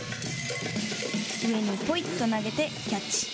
上にぽいって投げてキャッチ。